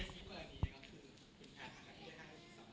แสดงว่าเขามีอย่างเงียบในภาพมีอย่างเงียบ